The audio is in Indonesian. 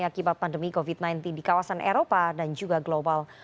akibat pandemi covid sembilan belas di kawasan eropa dan juga global